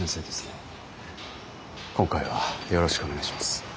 今回はよろしくお願いします。